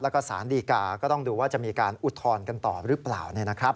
แล้วก็สารดีกาก็ต้องดูว่าจะมีการอุทธรณ์กันต่อหรือเปล่า